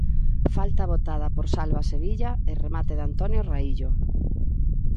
Falta botada por Salva Sevilla e remate de Antonio Raíllo.